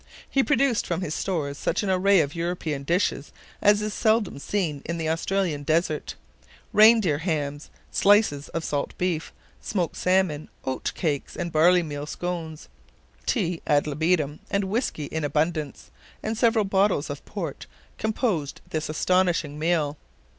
He produced from his stores such an array of European dishes as is seldom seen in the Australian desert. Reindeer hams, slices of salt beef, smoked salmon, oat cakes, and barley meal scones; tea ad libitum, and whisky in abundance, and several bottles of port, composed this astonishing meal.